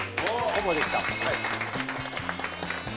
ほぼできた。